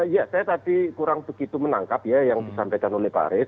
ya saya tadi kurang begitu menangkap ya yang disampaikan oleh pak arief